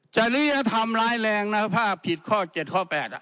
จริยธรรมร้ายแรงนะถ้าผิดข้อ๗ข้อ๘